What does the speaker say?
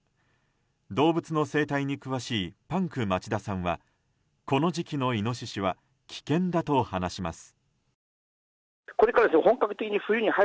動物の生態に詳しいパンク町田さんはこの時期のイノシシは危険だと話します。